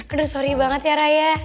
aduh sorry banget ya raya